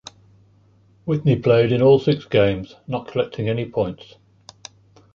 Whitney played in all six games, not collecting any points.